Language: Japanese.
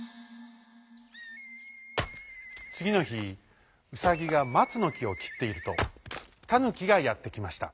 つぎのひウサギがまつのきをきっているとタヌキがやってきました。